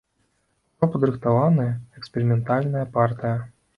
Ужо падрыхтаваная эксперыментальная партыя.